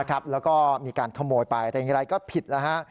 แล้วก็มีการขโมยไปแต่อย่างไรก็ผิดแล้วฮะ